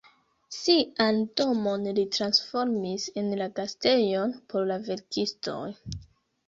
Sian domon li transformis en la gastejon por la verkistoj.